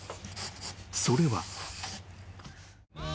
［それは］